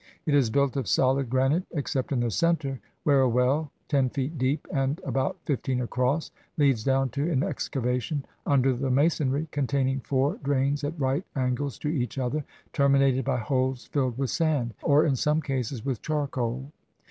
It is built of solid granite, except in the center, where a well, ten feet deep and about fifteen across, leads down to an excavation under the masonry, containing four drains at right angles to each other, terminated by holes filled with sand, or in some cases, with charcoal.